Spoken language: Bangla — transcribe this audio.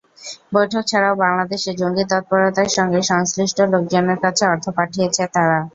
বৈঠক ছাড়াও বাংলাদেশে জঙ্গি তৎপরতার সঙ্গে সংশ্লিষ্ট লোকজনের কাছে অর্থ পাঠিয়েছেন তাঁরা।